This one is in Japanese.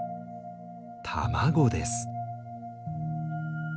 卵です。